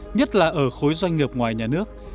nhất là ở khối doanh nghiệp ngoài nhà nước